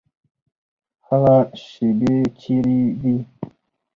هغه شیبې چیري دي؟